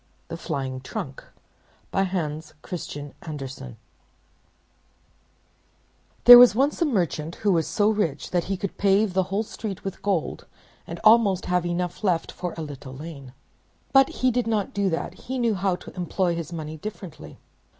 THE FLYING TRUNK By Hans Christian Andersen There was once a merchant, who was so rich that he could pave the whole street with gold, and almost have enough left for a little lane. But he did not do that; he knew how to employ his money differently.